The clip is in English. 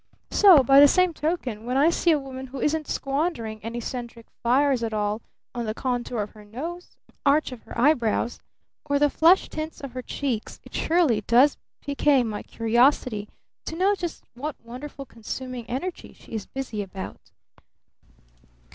So by the same token, when I see a woman who isn't squandering any centric fires at all on the contour of her nose or the arch of her eyebrows or the flesh tints of her cheeks, it surely does pique my curiosity to know just what wonderful consuming energy she is busy about.